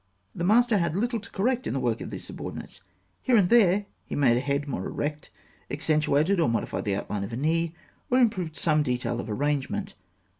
The master had little to correct in the work of these subordinates. Here and there he made a head more erect, accentuated or modified the outline of a knee, or improved some detail of arrangement.